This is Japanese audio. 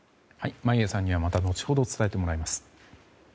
眞家さんにはまた後ほど伝えてもらいます。